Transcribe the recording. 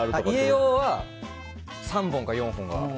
家用は３本か４本は。